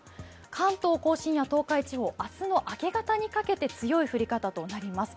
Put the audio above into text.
関東甲信や東海地方、明日の明け方にかけて強い降り方となります。